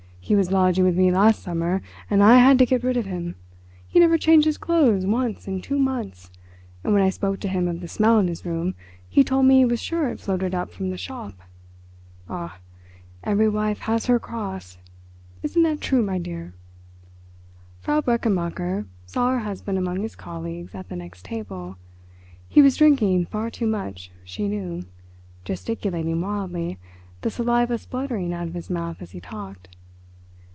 "He was lodging with me last summer and I had to get rid of him. He never changed his clothes once in two months, and when I spoke to him of the smell in his room he told me he was sure it floated up from the shop. Ah, every wife has her cross. Isn't that true, my dear?" Frau Brechenmacher saw her husband among his colleagues at the next table. He was drinking far too much, she knew—gesticulating wildly, the saliva spluttering out of his mouth as he talked.